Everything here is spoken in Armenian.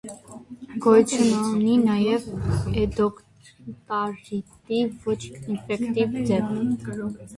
Գոյություն ունի նաև էնդոկարդիտի ոչ ինֆեկտիվ ձև։